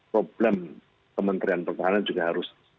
problem kementerian pertahanan juga harus